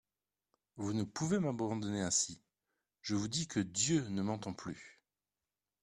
Vous ne pouvez m'abandonner ainsi … Je vous dis que Dieu ne m'entend plus.